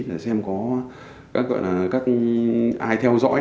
để xem có ai theo dõi